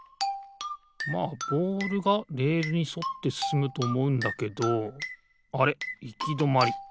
まあボールがレールにそってすすむとおもうんだけどあれっいきどまり。